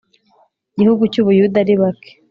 gihugu cy u Buyuda ari bake